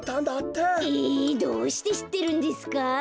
えどうしてしってるんですか？